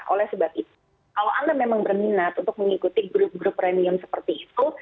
oleh sebab itu kalau anda memang berminat untuk mengikuti grup grup premium seperti itu